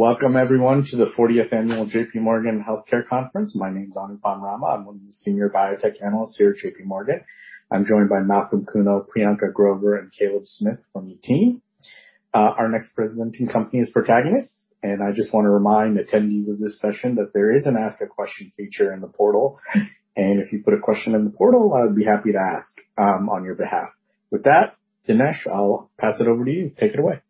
Welcome everyone to the 40th annual JPMorgan Healthcare Conference. My name is Anupam Rama. I'm one of the senior biotech analysts here at JPMorgan. I'm joined by Malcolm Kuno, Priyanka Grover, and Caleb Smith from the team. Our next presenting company is Protagonist, and I just wanna remind attendees of this session that there is an ask a question feature in the portal. If you put a question in the portal, I would be happy to ask on your behalf. With that, Dinesh, I'll pass it over to you. Take it away.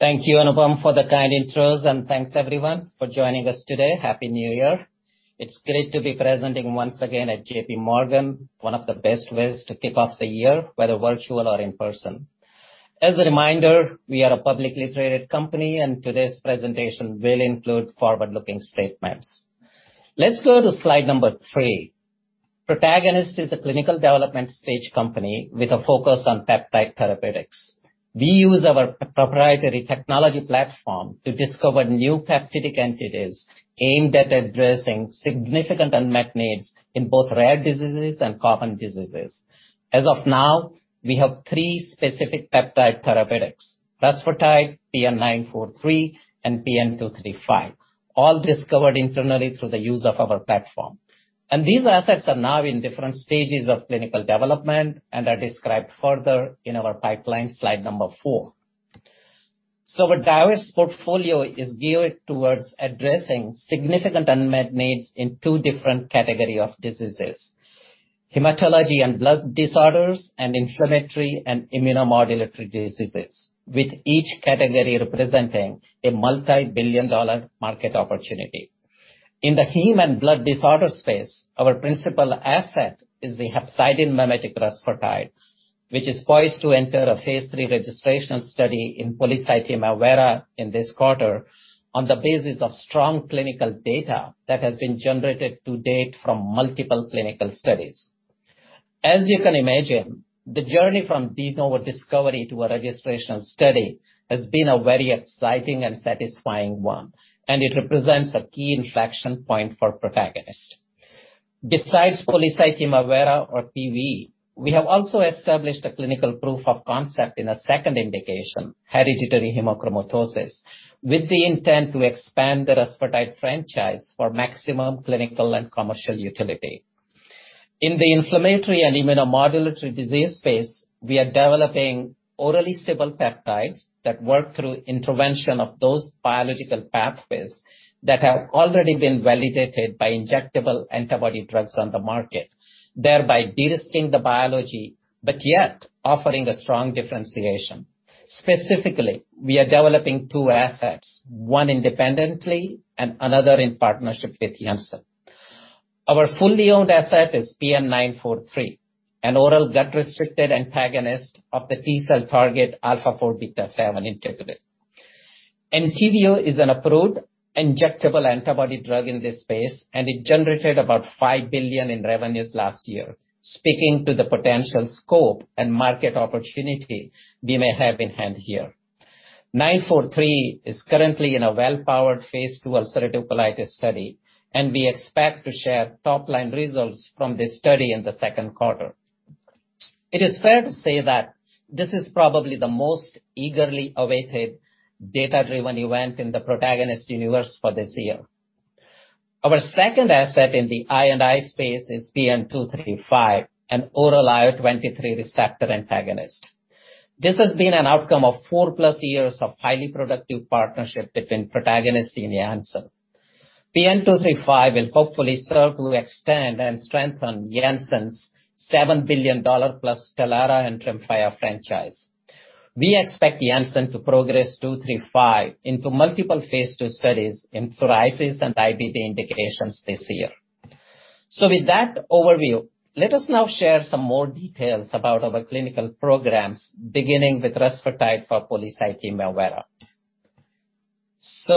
Thank you, Anupam, for the kind intros, and thanks everyone for joining us today. Happy New Year. It's great to be presenting once again at JPMorgan, one of the best ways to kick off the year, whether virtual or in person. As a reminder, we are a publicly traded company, and today's presentation will include forward-looking statements. Let's go to slide number three. Protagonist is a clinical development stage company with a focus on peptide therapeutics. We use our proprietary technology platform to discover new peptidic entities aimed at addressing significant unmet needs in both rare diseases and common diseases. As of now, we have three specific peptide therapeutics, rusfertide, PN-943, and PN-235, all discovered internally through the use of our platform. These assets are now in different stages of clinical development and are described further in our pipeline, slide number four. Our diverse portfolio is geared towards addressing significant unmet needs in two different category of diseases, hematology and blood disorders and inflammatory and immunomodulatory diseases, with each category representing a multi-billion dollar market opportunity. In the heme and blood disorder space, our principal asset is the hepcidin mimetic rusfertide, which is poised to enter a phase III registration study in polycythemia vera in this quarter on the basis of strong clinical data that has been generated to date from multiple clinical studies. As you can imagine, the journey from de novo discovery to a registration study has been a very exciting and satisfying one, and it represents a key inflection point for Protagonist. Besides polycythemia vera or PV, we have also established a clinical proof of concept in a second indication, hereditary hemochromatosis, with the intent to expand the rusfertide franchise for maximum clinical and commercial utility. In the inflammatory and immunomodulatory disease space, we are developing orally stable peptides that work through intervention of those biological pathways that have already been validated by injectable antibody drugs on the market, thereby de-risking the biology, but yet offering a strong differentiation. Specifically, we are developing two assets, one independently and another in partnership with Janssen. Our fully owned asset is PN-943, an oral gut-restricted antagonist of the T-cell target target α4β7 integrin. ENTYVIO is an approved injectable antibody drug in this space, and it generated about $5 billion in revenues last year, speaking to the potential scope and market opportunity we may have in hand here. PN-943 is currently in a well-powered phase II ulcerative colitis study, and we expect to share top-line results from this study in the second quarter. It is fair to say that this is probably the most eagerly awaited data-driven event in the Protagonist universe for this year. Our second asset in the I&I space is PN-235, an oral IL-23 receptor antagonist. This has been an outcome of 4+ years of highly productive partnership between Protagonist and Janssen. PN-235 will hopefully serve to extend and strengthen Janssen's $7 billion+ STELARA and TREMFYA franchise. We expect Janssen to progress 235 into multiple phase II studies in psoriasis and IBD indications this year. With that overview, let us now share some more details about our clinical programs, beginning with rusfertide for polycythemia vera.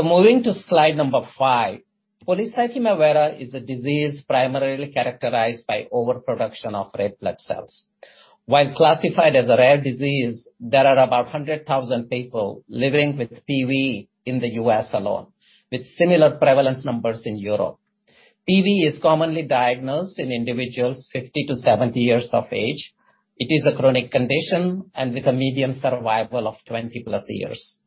Moving to slide five. Polycythemia vera is a disease primarily characterized by overproduction of red blood cells. While classified as a rare disease, there are about 100,000 people living with PV in the U.S. alone, with similar prevalence numbers in Europe. PV is commonly diagnosed in individuals 50-70 years of age. It is a chronic condition and with a median survival of 20+ years.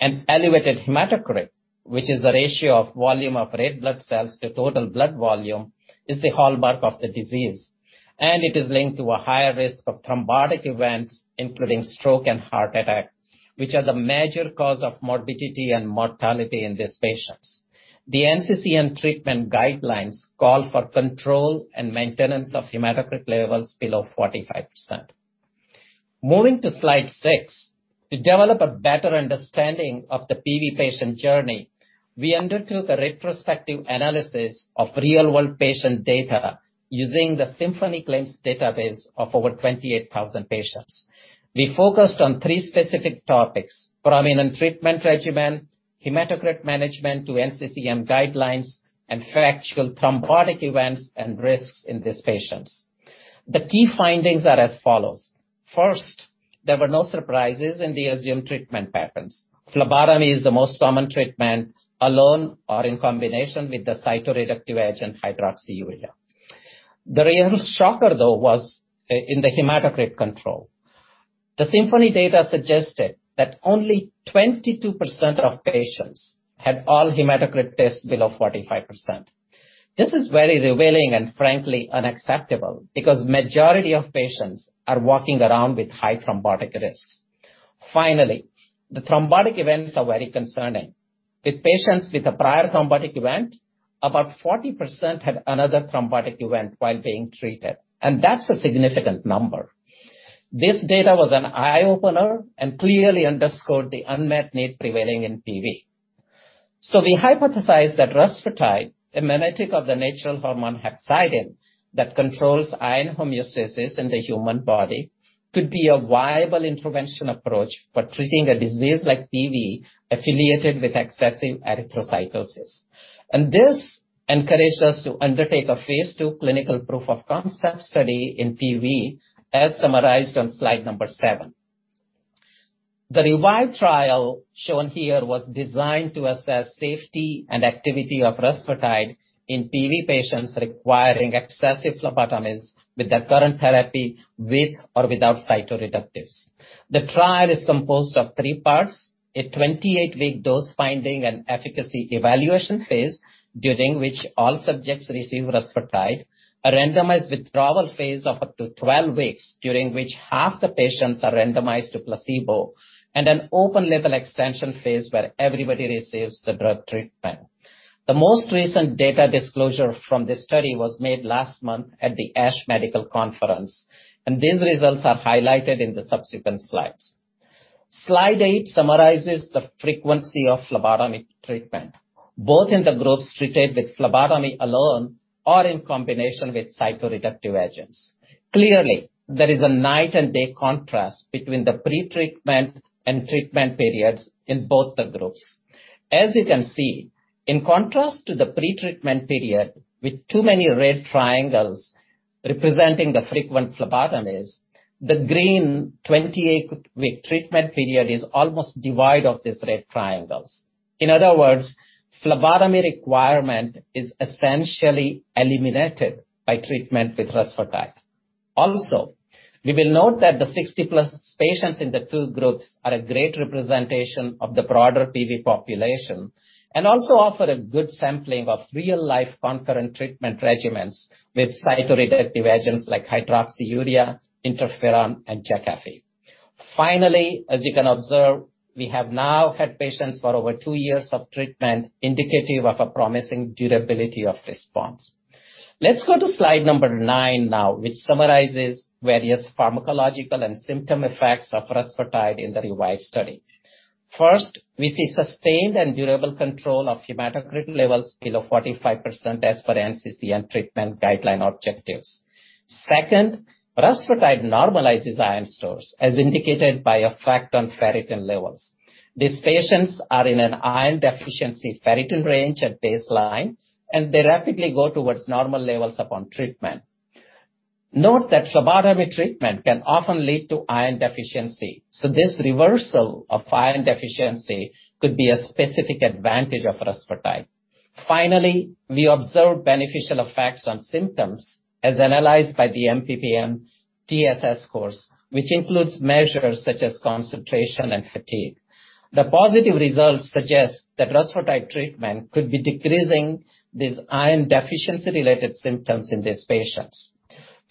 An elevated hematocrit, which is the ratio of volume of red blood cells to total blood volume, is the hallmark of the disease, and it is linked to a higher risk of thrombotic events, including stroke and heart attack, which are the major cause of morbidity and mortality in these patients. The NCCN treatment guidelines call for control and maintenance of hematocrit levels below 45%. Moving to slide six. To develop a better understanding of the PV patient journey, we undertook a retrospective analysis of real-world patient data using the Symphony Claims database of over 28,000 patients. We focused on three specific topics, prominent treatment regimen, hematocrit management to NCCN guidelines, and factual thrombotic events and risks in these patients. The key findings are as follows. First, there were no surprises in the assumed treatment patterns. Phlebotomy is the most common treatment, alone or in combination with the cytoreductive agent hydroxyurea. The real shocker though was in the hematocrit control. The Symphony data suggested that only 22% of patients had all hematocrit tests below 45%. This is very revealing and frankly unacceptable because majority of patients are walking around with high thrombotic risks. Finally, the thrombotic events are very concerning. With patients with a prior thrombotic event, about 40% had another thrombotic event while being treated, and that's a significant number. This data was an eye-opener and clearly underscored the unmet need prevailing in PV. We hypothesized that rusfertide, a mimetic of the natural hormone hepcidin that controls iron homeostasis in the human body, could be a viable intervention approach for treating a disease like PV affiliated with excessive erythrocytosis. This encouraged us to undertake a phase II clinical proof of concept study in PV, as summarized on slide number seven. The REVIVE trial shown here was designed to assess safety and activity of rusfertide in PV patients requiring excessive phlebotomies with their current therapy, with or without cytoreductives. The trial is composed of three parts, a 28-week dose finding and efficacy evaluation phase, during which all subjects receive rusfertide, a randomized withdrawal phase of up to 12 weeks, during which half the patients are randomized to placebo, and an open label extension phase where everybody receives the drug treatment. The most recent data disclosure from this study was made last month at the ASH Medical Conference, and these results are highlighted in the subsequent slides. Slide eight summarizes the frequency of phlebotomy treatment, both in the groups treated with phlebotomy alone or in combination with cytoreductive agents. Clearly, there is a night and day contrast between the pretreatment and treatment periods in both the groups. As you can see, in contrast to the pretreatment period, with too many red triangles representing the frequent phlebotomies, the green 28-week treatment period is almost devoid of these red triangles. In other words, phlebotomy requirement is essentially eliminated by treatment with rusfertide. Also, we will note that the 60+ patients in the two groups are a great representation of the broader PV population and also offer a good sampling of real-life concurrent treatment regimens with cytoreductive agents like hydroxyurea, interferon, and Jakafi. Finally, as you can observe, we have now had patients for over two years of treatment, indicative of a promising durability of response. Let's go to slide number nine now, which summarizes various pharmacological and symptom effects of rusfertide in the REVIVE study. First, we see sustained and durable control of hematocrit levels below 45% as per NCCN treatment guideline objectives. Second, rusfertide normalizes iron stores, as indicated by effect on ferritin levels. These patients are in an iron deficiency ferritin range at baseline, and they rapidly go towards normal levels upon treatment. Note that phlebotomy treatment can often lead to iron deficiency, so this reversal of iron deficiency could be a specific advantage of rusfertide. Finally, we observed beneficial effects on symptoms as analyzed by the MPN-SAF TSS scores, which includes measures such as concentration and fatigue. The positive results suggest that rusfertide treatment could be decreasing these iron deficiency-related symptoms in these patients.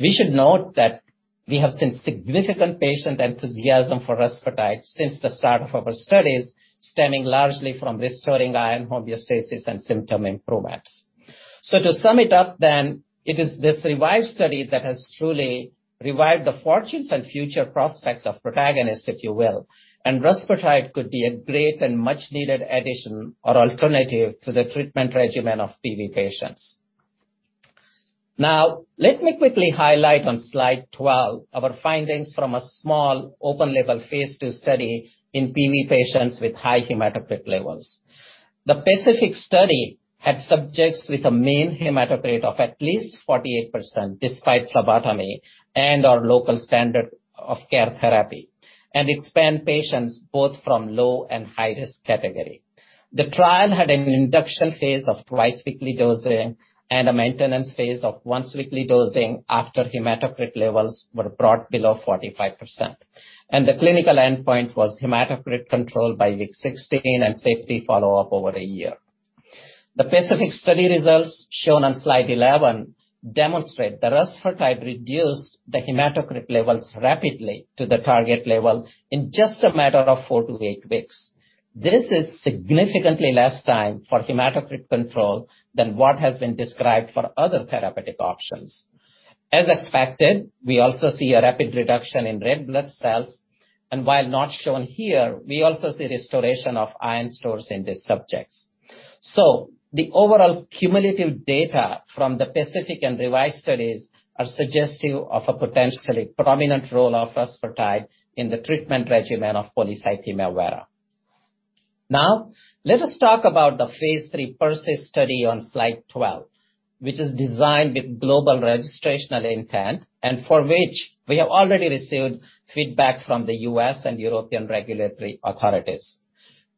We should note that we have seen significant patient enthusiasm for rusfertide since the start of our studies, stemming largely from restoring iron homeostasis and symptom improvements. To sum it up then, it is this REVIVE study that has truly revived the fortunes and future prospects of Protagonist, if you will, and rusfertide could be a great and much-needed addition or alternative to the treatment regimen of PV patients. Now, let me quickly highlight on slide 12 our findings from a small open label phase II study in PV patients with high hematocrit levels. The PACIFIC study had subjects with a mean hematocrit of at least 48% despite phlebotomy and/or local standard of care therapy, and it spanned patients both from low and high risk category. The trial had an induction phase of twice-weekly dosing and a maintenance phase of once-weekly dosing after hematocrit levels were brought below 45%. The clinical endpoint was hematocrit control by week 16 and safety follow-up over a year. The PACIFIC study results shown on slide 11 demonstrate that rusfertide reduced the hematocrit levels rapidly to the target level in just a matter of four to eight weeks. This is significantly less time for hematocrit control than what has been described for other therapeutic options. As expected, we also see a rapid reduction in red blood cells, and while not shown here, we also see restoration of iron stores in these subjects. The overall cumulative data from the PACIFIC and REVIVE studies are suggestive of a potentially prominent role of rusfertide in the treatment regimen of polycythemia vera. Now, let us talk about the phase III PERSIST study on slide 12, which is designed with global registrational intent and for which we have already received feedback from the U.S. and European regulatory authorities.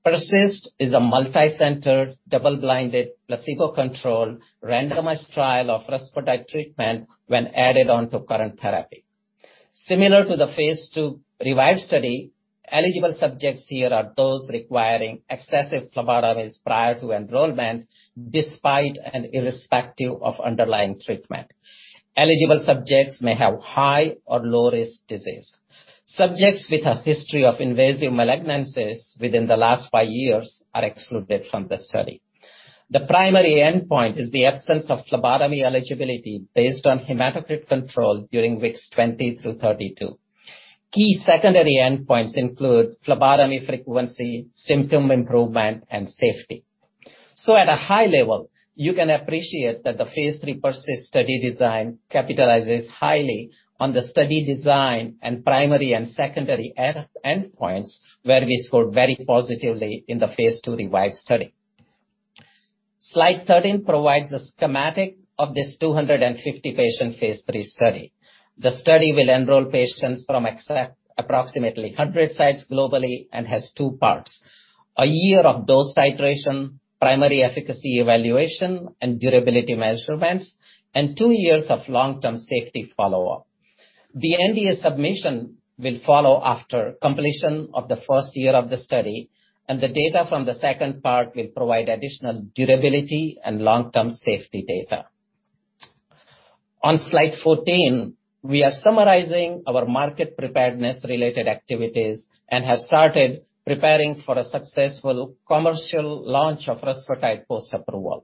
PERSIST is a multi-center, double-blinded, placebo-controlled randomized trial of rusfertide treatment when added on to current therapy. Similar to the phase II REVIVE study, eligible subjects here are those requiring excessive phlebotomies prior to enrollment, despite and irrespective of underlying treatment. Eligible subjects may have high or low-risk disease. Subjects with a history of invasive malignancies within the last five years are excluded from the study. The primary endpoint is the absence of phlebotomy eligibility based on hematocrit control during weeks 20-32. Key secondary endpoints include phlebotomy frequency, symptom improvement, and safety. At a high level, you can appreciate that the phase III PERSIST study design capitalizes highly on the study design and primary and secondary endpoints, where we scored very positively in the phase II REVIVE study. Slide 13 provides a schematic of this 250-patient phase III study. The study will enroll patients from approximately 100 sites globally and has two parts. A year of dose titration, primary efficacy evaluation, and durability measurements, and two years of long-term safety follow-up. The NDA submission will follow after completion of the first year of the study, and the data from the second part will provide additional durability and long-term safety data. On Slide 14, we are summarizing our market preparedness related activities and have started preparing for a successful commercial launch of rusfertide post-approval.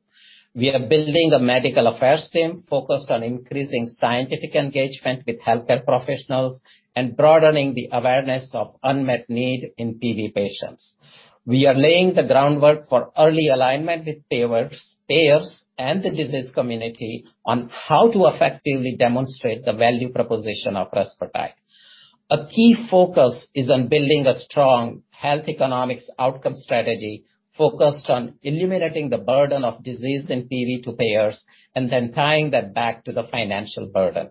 We are building a medical affairs team focused on increasing scientific engagement with healthcare professionals and broadening the awareness of unmet need in PV patients. We are laying the groundwork for early alignment with payers and the disease community on how to effectively demonstrate the value proposition of rusfertide. A key focus is on building a strong health economics outcome strategy focused on eliminating the burden of disease in PV to payers, and then tying that back to the financial burden.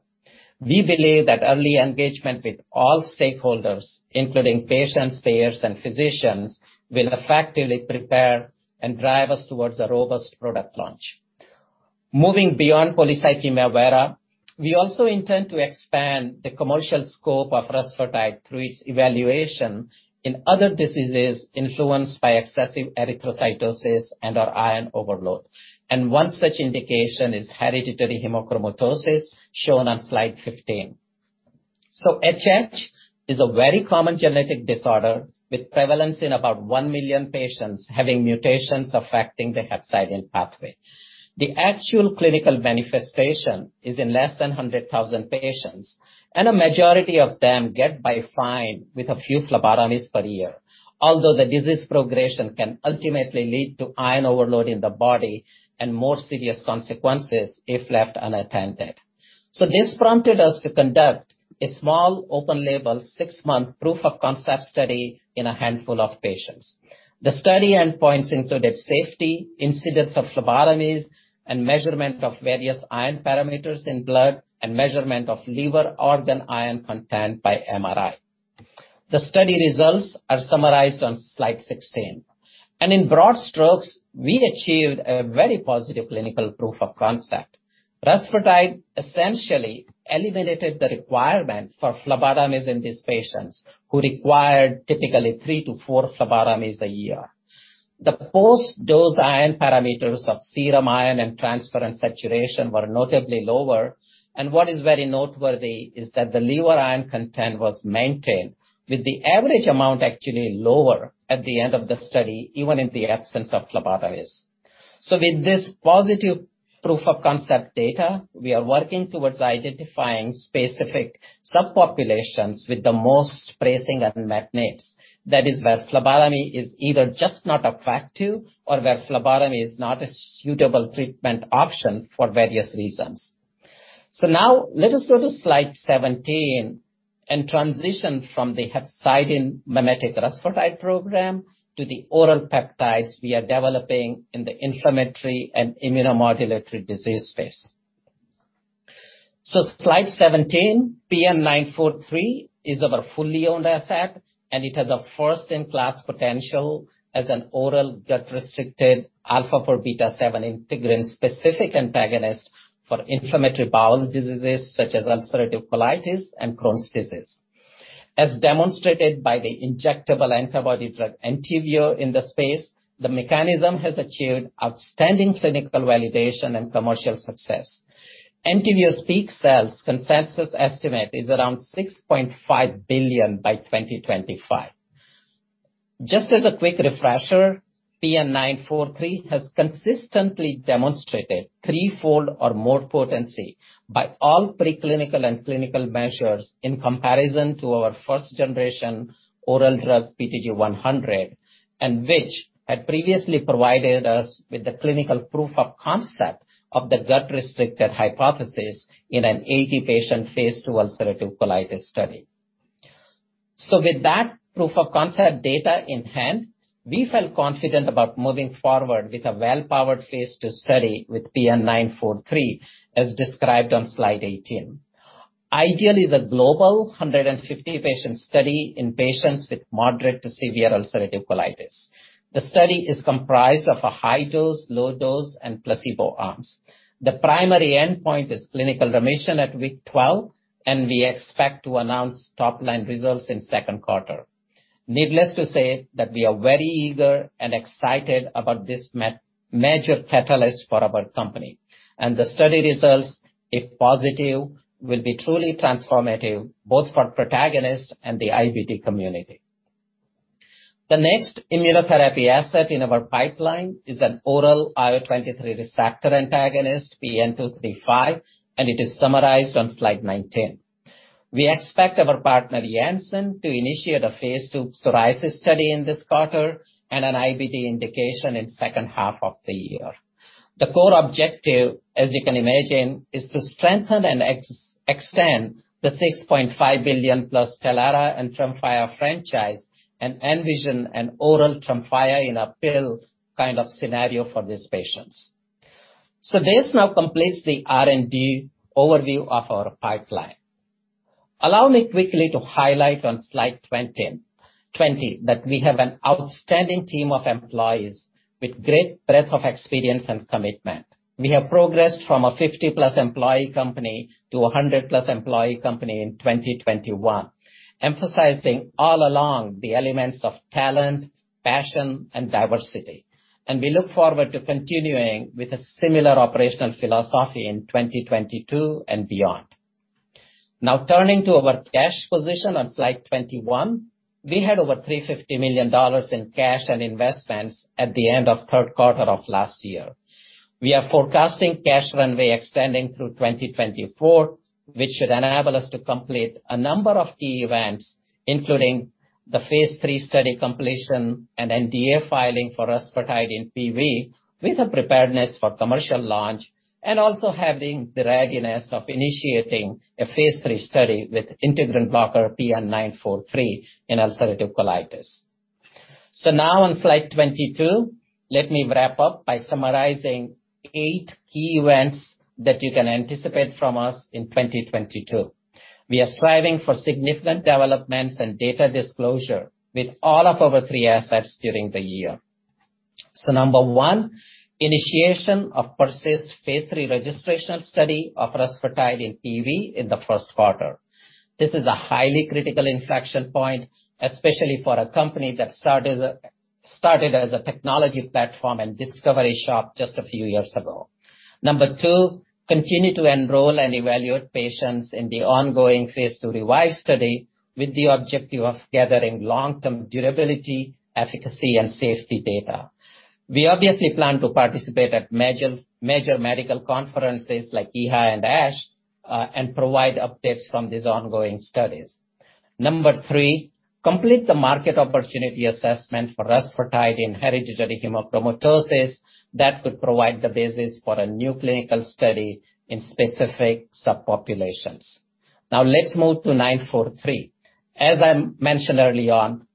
We believe that early engagement with all stakeholders, including patients, payers, and physicians, will effectively prepare and drive us towards a robust product launch. Moving beyond polycythemia vera, we also intend to expand the commercial scope of rusfertide through its evaluation in other diseases influenced by excessive erythrocytosis and/or iron overload. One such indication is hereditary hemochromatosis, shown on slide 15. HH is a very common genetic disorder with prevalence in about 1 million patients having mutations affecting the hepcidin pathway. The actual clinical manifestation is in less than 100,000 patients, and a majority of them get by fine with a few phlebotomies per year. Although the disease progression can ultimately lead to iron overload in the body and more serious consequences if left unattended. This prompted us to conduct a small open-label, six-month proof-of-concept study in a handful of patients. The study endpoints included safety, incidence of phlebotomies, and measurement of various iron parameters in blood, and measurement of liver organ iron content by MRI. The study results are summarized on slide 16. In broad strokes, we achieved a very positive clinical proof of concept. Rusfertide essentially eliminated the requirement for phlebotomies in these patients, who required typically three to four phlebotomies a year. The post-dose iron parameters of serum iron and transferrin saturation were notably lower. What is very noteworthy is that the liver iron content was maintained with the average amount actually lower at the end of the study, even in the absence of phlebotomies. With this positive proof of concept data, we are working towards identifying specific subpopulations with the most pressing unmet needs. That is where phlebotomy is either just not effective or where phlebotomy is not a suitable treatment option for various reasons. Now let us go to slide 17 and transition from the hepcidin mimetic rusfertide program to the oral peptides we are developing in the inflammatory and immunomodulatory disease space. Slide 17, PN-943 is our fully-owned asset, and it has a first-in-class potential as an oral gut-restricted α4β7 integrin-specific antagonist for inflammatory bowel diseases such as ulcerative colitis and Crohn's disease. As demonstrated by the injectable antibody drug ENTYVIO in the space, the mechanism has achieved outstanding clinical validation and commercial success. ENTYVIO's peak sales consensus estimate is around $6.5 billion by 2025. Just as a quick refresher, PN-943 has consistently demonstrated threefold or more potency by all preclinical and clinical measures in comparison to our first generation oral drug, PTG-100, which had previously provided us with the clinical proof of concept of the gut-restricted hypothesis in an 80-patient phase II ulcerative colitis study. With that proof of concept data in hand, we felt confident about moving forward with a well-powered phase II study with PN-943, as described on slide 18. Ideally, the global 150-patient study in patients with moderate to severe ulcerative colitis. The study is comprised of a high dose, low dose, and placebo arms. The primary endpoint is clinical remission at week 12, and we expect to announce top-line results in second quarter. Needless to say that we are very eager and excited about this major catalyst for our company. The study results, if positive, will be truly transformative, both for Protagonist and the IBD community. The next immunotherapy asset in our pipeline is an oral IL-23 receptor antagonist, PN-235, and it is summarized on slide 19. We expect our partner, Janssen, to initiate a phase II psoriasis study in this quarter and an IBD indication in second half of the year. The core objective, as you can imagine, is to strengthen and extend the $6.5 billion+ STELARA and TREMFYA franchise and envision an oral TREMFYA in a pill kind of scenario for these patients. This now completes the R&D overview of our pipeline. Allow me quickly to highlight on slide 20 that we have an outstanding team of employees with great breadth of experience and commitment. We have progressed from a 50+ employee company to a 100+ employee company in 2021, emphasizing all along the elements of talent, passion, and diversity. We look forward to continuing with a similar operational philosophy in 2022 and beyond. Now, turning to our cash position on slide 21. We had over $350 million in cash and investments at the end of third quarter of last year. We are forecasting cash runway extending through 2024, which should enable us to complete a number of key events, including the phase III study completion and NDA filing for rusfertide in PV with a preparedness for commercial launch and also having the readiness of initiating a phase III study with integrin blocker PN-943 in ulcerative colitis. Now on slide 22, let me wrap up by summarizing eight key events that you can anticipate from us in 2022. We are striving for significant developments and data disclosure with all of our three assets during the year. Number one, initiation of PERSIST phase III registrational study of rusfertide in PV in the first quarter. This is a highly critical inflection point, especially for a company that started as a technology platform and discovery shop just a few years ago. Number two, continue to enroll and evaluate patients in the ongoing phase II REVIVE study with the objective of gathering long-term durability, efficacy, and safety data. We obviously plan to participate at major medical conferences like EHA and ASH and provide updates from these ongoing studies. Number three, complete the market opportunity assessment for rusfertide in hereditary hemochromatosis that could provide the basis for a new clinical study in specific subpopulations. Now let's move to PN-943. As I mentioned early on,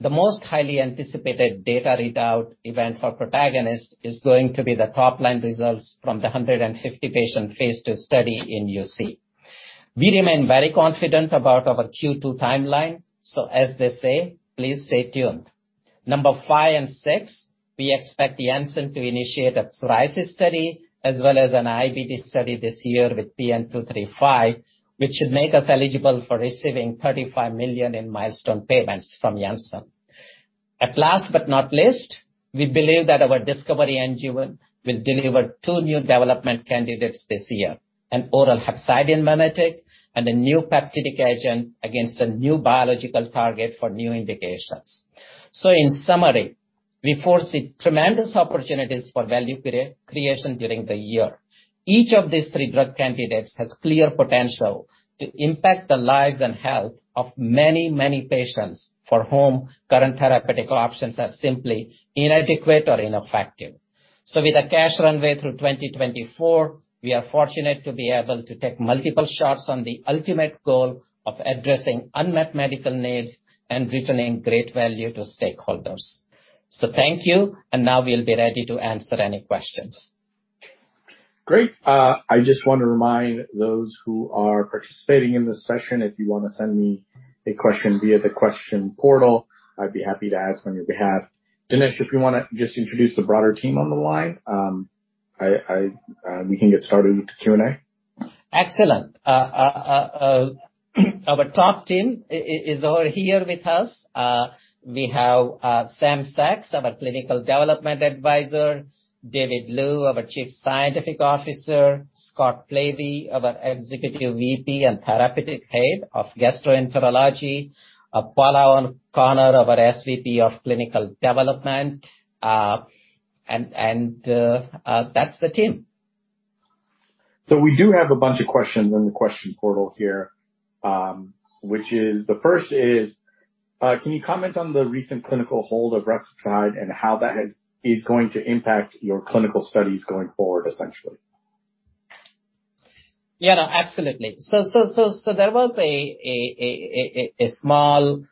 the most highly anticipated data readout event for Protagonist is going to be the top-line results from the 150-patient phase II study in UC. We remain very confident about our Q2 timeline, so as they say, please stay tuned. Number five and six, we expect Janssen to initiate a psoriasis study as well as an IBD study this year with PN-235, which should make us eligible for receiving $35 million in milestone payments from Janssen. Last but not least, we believe that our discovery engine will deliver two new development candidates this year, an oral hepcidin mimetic and a new peptidic agent against a new biological target for new indications. In summary, we foresee tremendous opportunities for value creation during the year. Each of these three drug candidates has clear potential to impact the lives and health of many, many patients for whom current therapeutic options are simply inadequate or ineffective. With a cash runway through 2024, we are fortunate to be able to take multiple shots on the ultimate goal of addressing unmet medical needs and returning great value to stakeholders. Thank you. Now we'll be ready to answer any questions. Great. I just want to remind those who are participating in this session, if you wanna send me a question via the question portal, I'd be happy to ask on your behalf. Dinesh, if you wanna just introduce the broader team on the line, we can get started with the Q&A. Excellent. Our top team is over here with us. We have Sam Saks, our Clinical Development Advisor, David Liu, our Chief Scientific Officer, Scott Plevy, our Executive VP and Therapeutic Head of Gastroenterology, Paula O'Connor, our SVP of Clinical Development, and that's the team. We do have a bunch of questions in the question portal here. The first is, can you comment on the recent clinical hold of rusfertide and how that is going to impact your clinical studies going forward, essentially? Yeah, no, absolutely. There was a small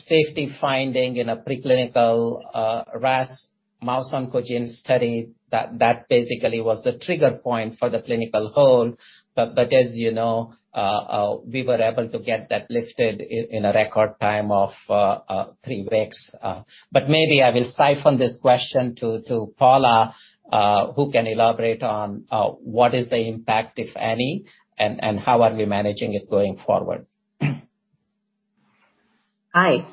safety finding in a preclinical rasH2 oncogene study that basically was the trigger point for the clinical hold. But as you know, we were able to get that lifted in a record time of three weeks. Maybe I will siphon this question to Paula, who can elaborate on what is the impact, if any, and how we are managing it going forward? Hi.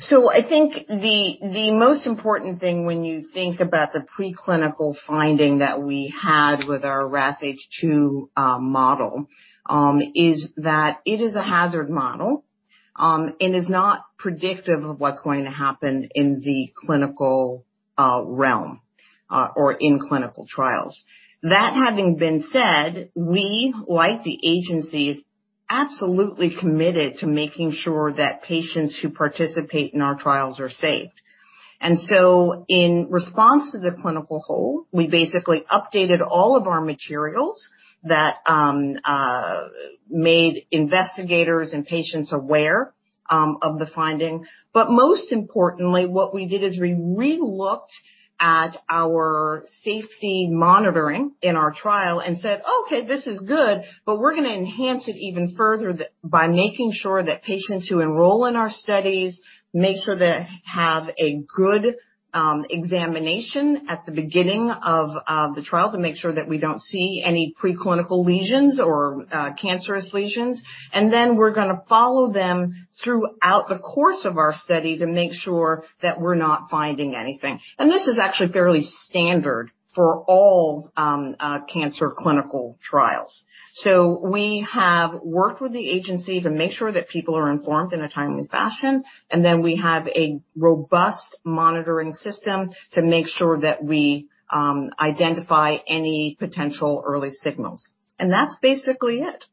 So I think the most important thing when you think about the preclinical finding that we had with our rasH2 model is that it is a hazard model and is not predictive of what's going to happen in the clinical realm or in clinical trials. That having been said, we, like the agencies, absolutely committed to making sure that patients who participate in our trials are safe. In response to the clinical hold, we basically updated all of our materials that made investigators and patients aware of the finding. Most importantly, what we did is we re-looked at our safety monitoring in our trial and said, "Okay, this is good, but we're gonna enhance it even further by making sure that patients who enroll in our studies make sure they have a good examination at the beginning of the trial to make sure that we don't see any preclinical lesions or cancerous lesions. And then we're gonna follow them throughout the course of our study to make sure that we're not finding anything." This is actually fairly standard for all cancer clinical trials. We have worked with the agency to make sure that people are informed in a timely fashion, and then we have a robust monitoring system to make sure that we identify any potential early signals. That's basically it.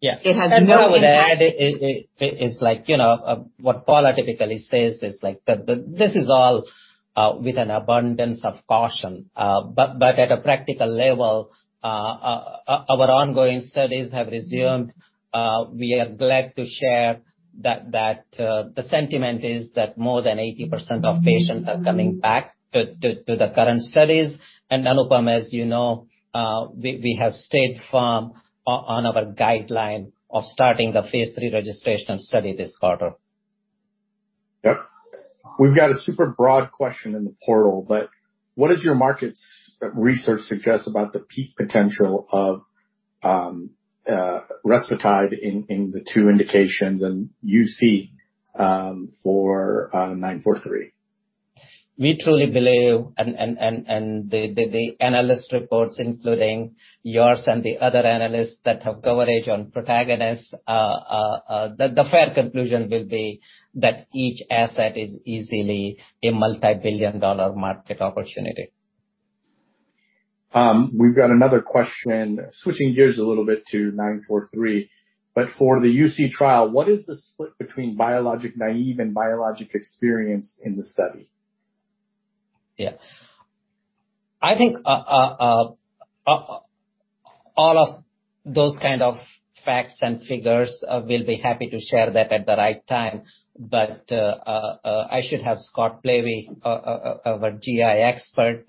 Yeah. It has no impact. What I would add, it's like, you know, what Paula typically says is like, this is all with an abundance of caution. But at a practical level, our ongoing studies have resumed. We are glad to share that the sentiment is that more than 80% of patients are coming back to the current studies. Anupam, as you know, we have stayed firm on our guideline of starting the phase III registration study this quarter. Yep. We've got a super broad question in the portal, but what does your market research suggest about the peak potential of rusfertide in the two indications and UC for PN-943? We truly believe and the analyst reports, including yours and the other analysts that have coverage on Protagonist, the fair conclusion will be that each asset is easily a multi-billion dollar market opportunity. We've got another question, switching gears a little bit to PN-943. For the UC trial, what is the split between biologic naive and biologic experienced in the study? Yeah. I think all of those kind of facts and figures we'll be happy to share that at the right time. I should have Scott Plevy, our GI expert,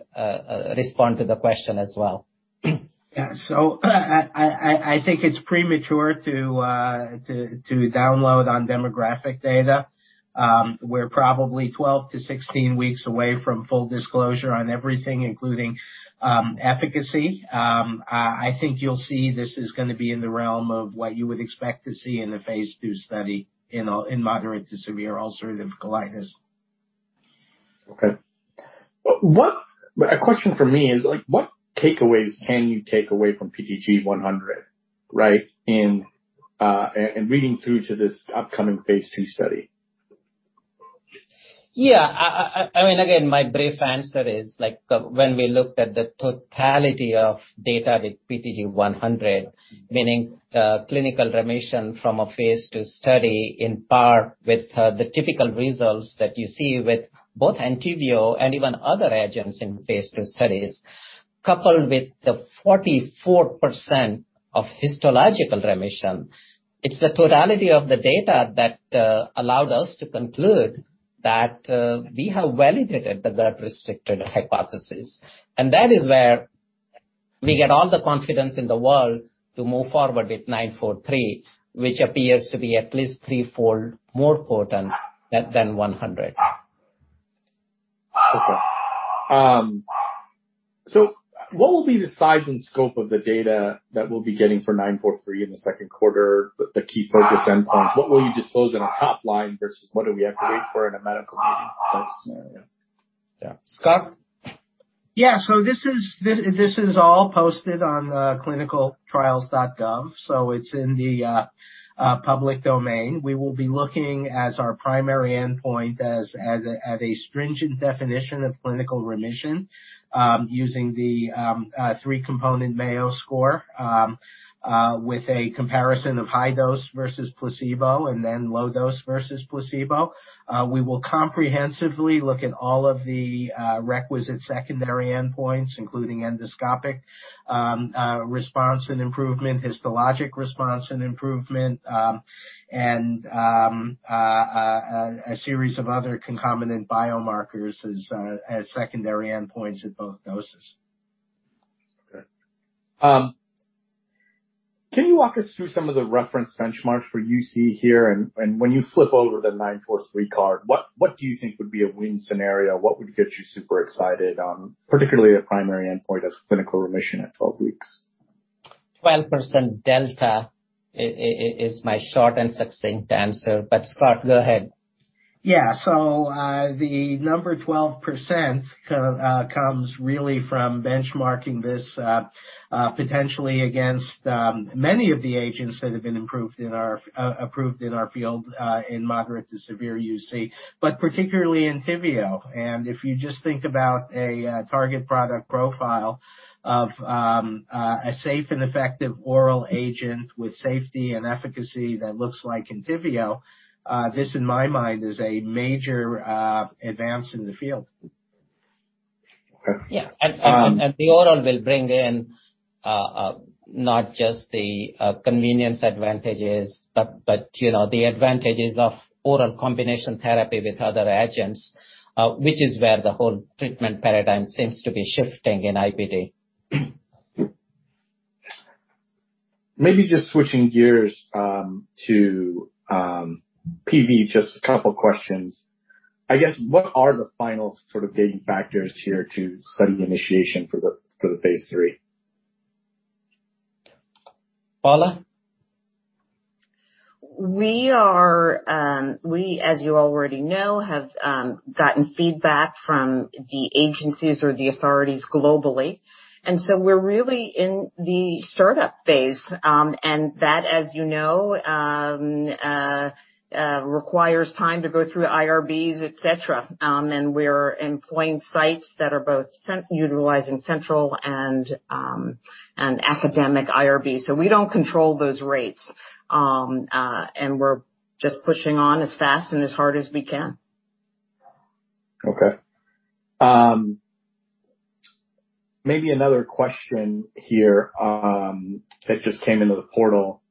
respond to the question as well. Yeah. I think it's premature to download on demographic data. We're probably 12-16 weeks away from full disclosure on everything, including efficacy. I think you'll see this is gonna be in the realm of what you would expect to see in a phase II study in moderate to severe ulcerative colitis. Okay. A question from me is, like, what takeaways can you take away from PTG-100, right? In reading through to this upcoming phase II study. Yeah. I mean, again, my brief answer is like, when we looked at the totality of data with PTG-100, meaning, clinical remission from a phase II study on par with, the typical results that you see with both ENTYVIO and even other agents in phase II studies, coupled with the 44% of histological remission. It's the totality of the data that allowed us to conclude that, we have validated the gut-restricted hypothesis. That is where we get all the confidence in the world to move forward with PN-943, which appears to be at least threefold more potent than 100. Okay. So what will be the size and scope of the data that we'll be getting for PN-943 in the second quarter, the key focus endpoints? What will you disclose in a top line versus what do we have to wait for in a medical meeting scenario? Yeah. Scott? Yeah. This is all posted on clinicaltrials.gov. It's in the public domain. We will be looking at our primary endpoint as a stringent definition of clinical remission using the three-component Mayo score with a comparison of high dose versus placebo and then low dose versus placebo. We will comprehensively look at all of the requisite secondary endpoints, including endoscopic response and improvement, histologic response and improvement, and a series of other concomitant biomarkers as secondary endpoints at both doses. Okay. Can you walk us through some of the reference benchmarks for UC here? When you flip over the 943 card, what do you think would be a win scenario? What would get you super excited, particularly the primary endpoint of clinical remission at 12 weeks? 12% delta is my short and succinct answer. Scott, go ahead. Yeah. The number 12% comes really from benchmarking this potentially against many of the agents that have been approved in our field in moderate to severe UC, but particularly ENTYVIO. If you just think about a target product profile of a safe and effective oral agent with safety and efficacy that looks like ENTYVIO, this, in my mind, is a major advance in the field. Yeah. Um-. The oral will bring in not just the convenience advantages, but you know, the advantages of oral combination therapy with other agents, which is where the whole treatment paradigm seems to be shifting in IBD. Maybe just switching gears to PV. Just a couple questions. I guess, what are the final sort of driving factors here to study initiation for the phase III? Paula? We, as you already know, have gotten feedback from the agencies or the authorities globally, and we're really in the start-up phase. That, as you know, requires time to go through IRBs, et cetera. We're employing sites that are both utilizing central and academic IRB. We don't control those rates. We're just pushing on as fast and as hard as we can. Okay. Maybe another question here, that just came into the portal.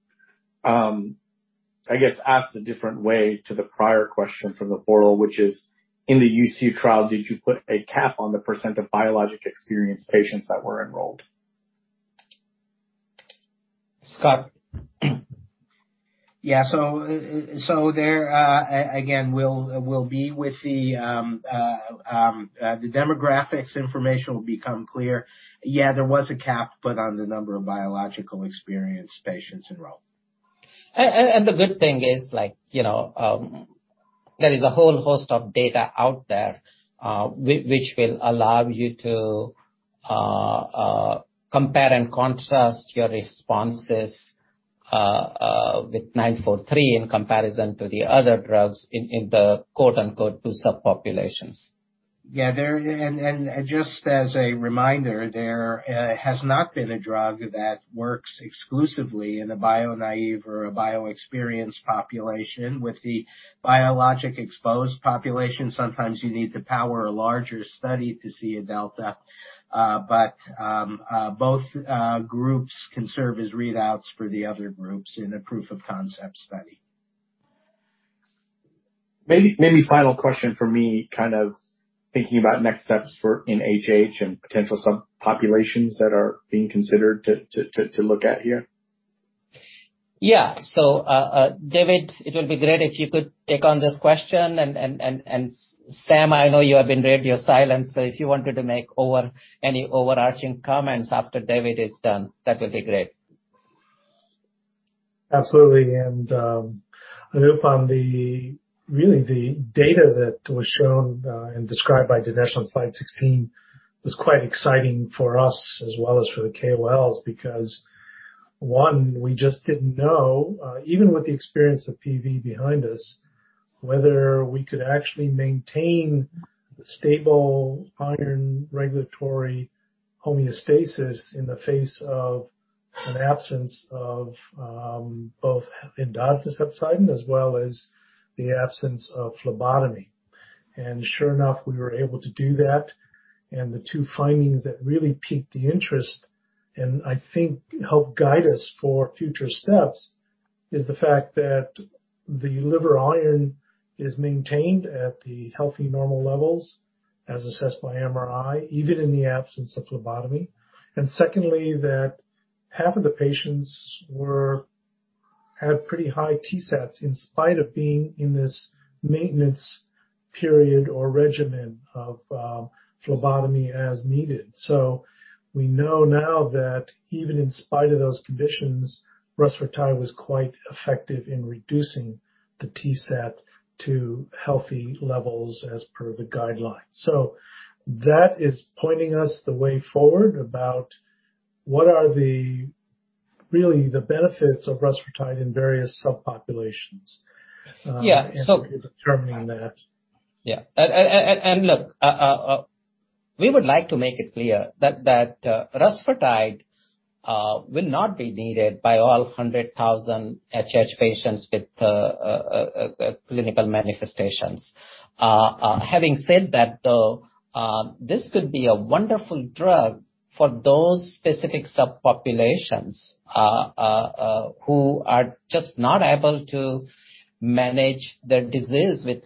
I guess asked a different way to the prior question from the portal, which is: In the UC trial, did you put a cap on the percent of biologic-experienced patients that were enrolled? Scott. Yeah. The demographics information will become clear. Yeah, there was a cap put on the number of biologic-experienced patients enrolled. The good thing is, like, you know, there is a whole host of data out there, which will allow you to compare and contrast your responses with PN-943 in comparison to the other drugs in the quote-unquote, "two subpopulations. Just as a reminder, there has not been a drug that works exclusively in a bio-naive or a bio-experienced population. With the biologic-exposed population, sometimes you need to power a larger study to see a delta. Both groups can serve as readouts for the other groups in a proof of concept study. Maybe final question from me, kind of thinking about next steps in HH and potential subpopulations that are being considered to look at here. David, it would be great if you could take on this question. Sam, I know you have been radio silent, so if you wanted to make any overarching comments after David is done, that would be great. Absolutely. Anupam, really the data that was shown and described by Dinesh on slide 16 was quite exciting for us as well as for the KOLs because one, we just didn't know even with the experience of PV behind us, whether we could actually maintain stable iron regulatory homeostasis in the face of an absence of both endogenous hepcidin as well as the absence of phlebotomy. Sure enough, we were able to do that. The two findings that really piqued the interest, and I think helped guide us for future steps, is the fact that the liver iron is maintained at the healthy normal levels as assessed by MRI, even in the absence of phlebotomy. Secondly, that half of the patients had pretty high TSATs in spite of being in this maintenance period or regimen of phlebotomy as needed. We know now that even in spite of those conditions, rusfertide was quite effective in reducing the TSAT to healthy levels as per the guidelines. That is pointing us the way forward about what really are the benefits of rusfertide in various subpopulations. Yeah. We're determining that. Yeah. Look, we would like to make it clear that rusfertide will not be needed by all 100,000 HH patients with clinical manifestations. Having said that, though, this could be a wonderful drug for those specific subpopulations who are just not able to manage their disease with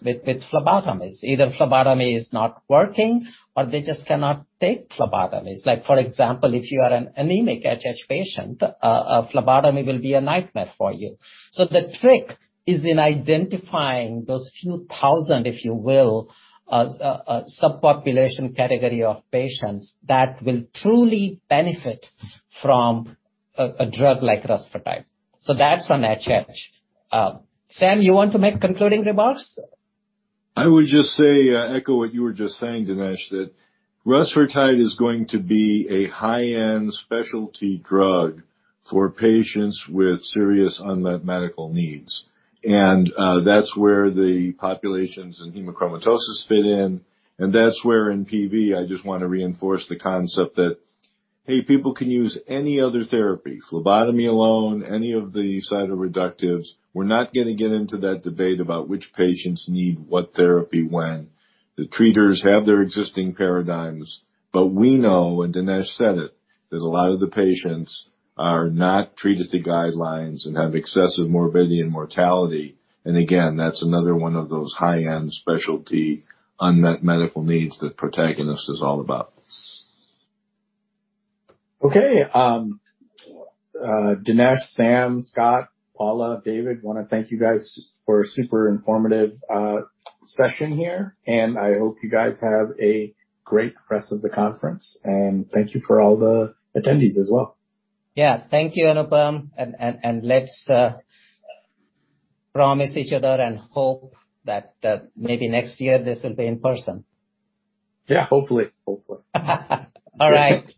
phlebotomies. Either phlebotomy is not working or they just cannot take phlebotomies. Like, for example, if you are an anemic HH patient, a phlebotomy will be a nightmare for you. The trick is in identifying those few thousand, if you will, subpopulation category of patients that will truly benefit from a drug like rusfertide. That's on HH. Sam, you want to make concluding remarks? I would just say, echo what you were just saying, Dinesh, that rusfertide is going to be a high-end specialty drug for patients with serious unmet medical needs. That's where the populations in hemochromatosis fit in. That's where, in PV, I just wanna reinforce the concept that, hey, people can use any other therapy, phlebotomy alone, any of the cytoreductives. We're not gonna get into that debate about which patients need what therapy when. The treaters have their existing paradigms. We know, and Dinesh said it, that a lot of the patients are not treated to guidelines and have excessive morbidity and mortality. Again, that's another one of those high-end specialty unmet medical needs that Protagonist is all about. Okay. Dinesh, Sam, Scott, Paula, David, wanna thank you guys for a super informative session here. I hope you guys have a great rest of the conference. Thank you for all the attendees as well. Yeah. Thank you, Anupam, and let's promise each other and hope that maybe next year this will be in person. Yeah. Hopefully. All right.